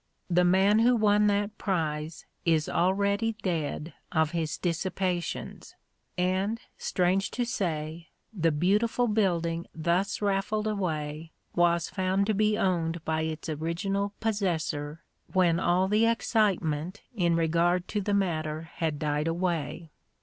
The man who won that prize is already dead of his dissipations, and, strange to say, the beautiful building thus raffled away was found to be owned by its original possessor when all the excitement in regard to the matter had died away.